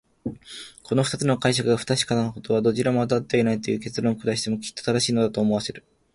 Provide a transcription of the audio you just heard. この二つの解釈が不確かなことは、どちらもあたってはいないという結論を下してもきっと正しいのだ、と思わせる。